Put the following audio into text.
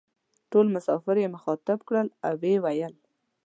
ټول مسافر یې مخاطب کړل او وې ویل: